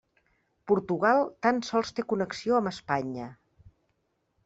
Portugal tan sols té connexió amb Espanya.